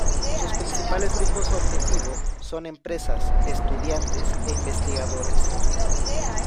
Sus principales grupos objetivo son empresas, estudiantes e investigadores.